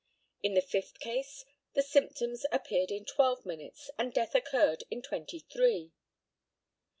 In the fifth case the symptoms appeared in twelve minutes, and death occurred in twenty three.